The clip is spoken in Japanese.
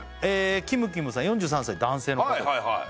キムキムさん４３歳男性の方はい